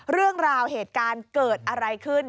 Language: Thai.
เรื่องราวเหตุการณ์เกิดอะไรขึ้น